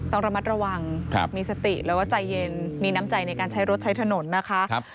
ต้องระมัดระวังมีสติแล้วก็ใจเย็นมีน้ำใจในการใช้รถใช้ถนนนะคะ